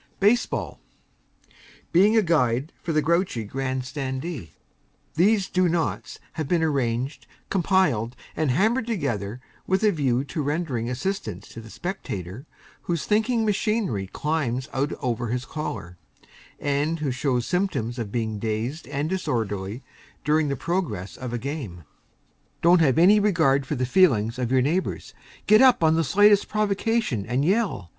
BASEBALL. Being a Guide for the Grouchy Grandstandee. These "do nots" have been arranged, compiled and hammered together with a view to rendering assistance to the spectator whose thinking machinery climbs out over his collar, and who shows symptoms of being dazed and disorderly during the progress of a game. Don't have any regard for the feelings of your neighbors. Get up on the slightest provocation and yell.